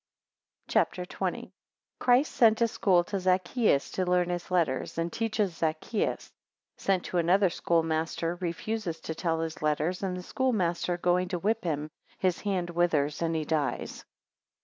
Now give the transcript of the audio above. CHAPTER XX. 4 Christ sent to school to Zaccheus to learn his letters, and teaches Zaccheus. 13 Sent to another schoolmaster, 14 refuses to tell his letters, and the schoolmaster going to whip him, his hand withers and he dies.